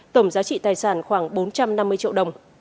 tổng giá trị tài sản khoảng bốn trăm năm mươi triệu đồng